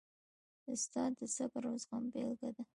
استاد د صبر او زغم بېلګه ده.